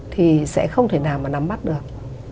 thì sẽ không thể nào mà nắm mắt được